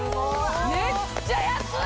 めっちゃ安い！